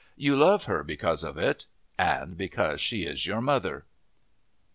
You love her because of it and because she is your mother.